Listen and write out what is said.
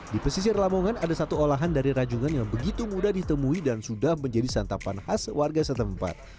di pesisir lamongan ada satu olahan dari rajungan yang begitu mudah ditemui dan sudah menjadi santapan khas warga setempat